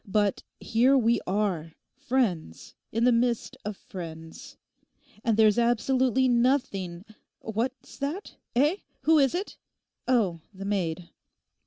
But here we are; friends, in the midst of friends. And there's absolutely nothing—What's that? Eh? Who is it?... Oh, the maid!